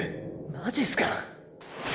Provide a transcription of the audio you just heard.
マジすか！！